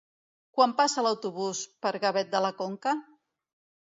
Quan passa l'autobús per Gavet de la Conca?